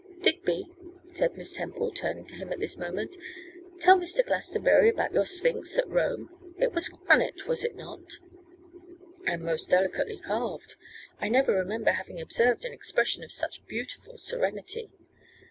'Digby,' said Miss Temple, turning to him at this moment, 'tell Mr. Glastonbury about your sphinx at Rome. It was granite, was it not?' 'And most delicately carved. I never remember having observed an expression of such beautiful serenity.